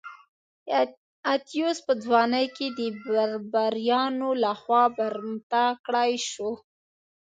اتیوس په ځوانۍ کې د بربریانو لخوا برمته کړای شو.